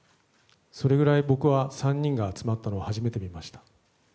それぐらい、僕は３人が集まったのを初めて見ました。